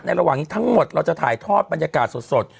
ระหว่างนี้ทั้งหมดเราจะถ่ายทอดบรรยากาศสด